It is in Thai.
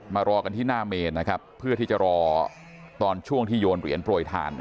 รอกันที่หน้าเมนนะครับเพื่อที่จะรอตอนช่วงที่โยนเหรียญโปรยทาน